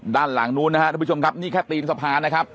ด้านหลังนู้นนะครับทุกผู้ชมครับนี่แค่ตีนสะพานนะครับ